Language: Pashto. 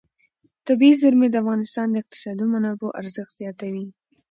طبیعي زیرمې د افغانستان د اقتصادي منابعو ارزښت زیاتوي.